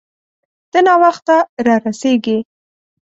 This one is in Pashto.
ته ناوخته را رسیږې